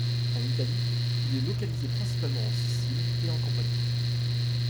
En Italie, il est localisé principalement en Sicile et en Campanie.